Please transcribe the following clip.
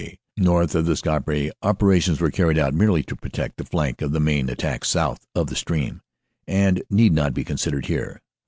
North of the Scarpe the operations were carried out merely to protect the flank of the main attack south of the stream, and need not be considered here.